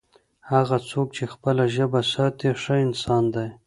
هغه څوک چي خپله ژبه ساتي، ښه انسان دی.